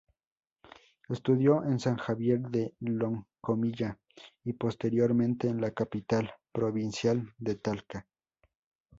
Estudió en San Javier de Loncomilla y posteriormente en la capital provincial de Talca.